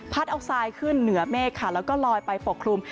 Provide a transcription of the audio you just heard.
เอาทรายขึ้นเหนือเมฆค่ะแล้วก็ลอยไปปกคลุม